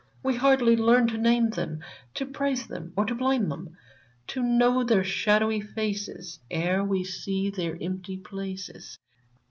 We hardly learn to name them, To praise them or to blame them, To know their shadowy faces. Ere we see their empty places